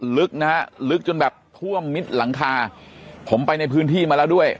ลึกนะฮะลึกจนแบบท่วมมิดหลังคาผมไปในพื้นที่มาแล้วด้วย